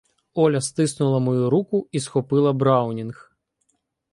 Оля стиснула мою руку і схопила "Браунінг".